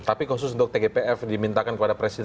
tapi khusus untuk tgpf dimintakan kepada presiden